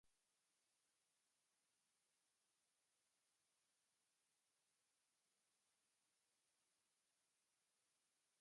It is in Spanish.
Hay seis ciudades en Escocia: Aberdeen, Dundee, Edimburgo, Glasgow, Inverness y Stirling.